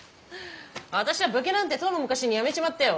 私ゃ武家なんてとうの昔にやめちまったよ。